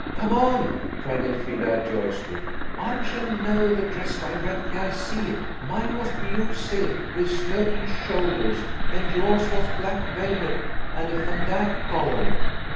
"Come on," cried Elfrida joyously. "I shall know the dress directly I see it. Mine was blue silk with sloping shoulders, and yours was black velvet and a Vandyke collar."